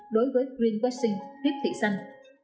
đối với green vaccine riết thị xanh